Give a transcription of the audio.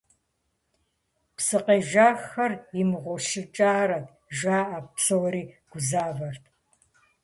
«Псы къежэххэр имыгъущыкӏарэт» жаӏэу псори гузавэрт.